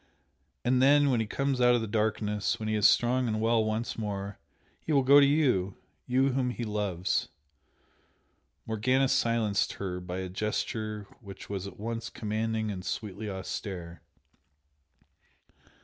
And then when he comes out of the darkness when he is strong and well once more, he will go to YOU! you whom he loves " Morgana silenced her by a gesture which was at once commanding and sweetly austere.